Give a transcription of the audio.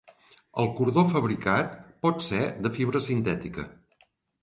El cordó fabricat pot ser de fibra sintètica.